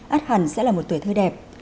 át hẳn sẽ là một tuổi thơ đẹp